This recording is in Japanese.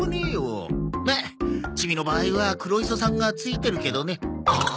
まあチミの場合は黒磯さんがついてるけどね。